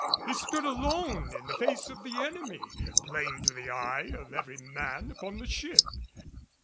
He stood alone in the face of the enemy, plain to the eye of every man upon the ship.